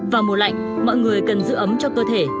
vào mùa lạnh mọi người cần giữ ấm cho cơ thể